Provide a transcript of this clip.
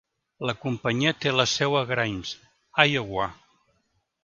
La companyia té la seu a Grimes, Iowa.